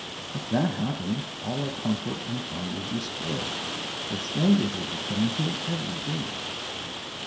If that happened, all our comfort and fun would be spoiled, for strangers would be coming here every day."